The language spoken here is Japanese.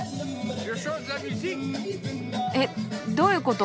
えっどういうこと？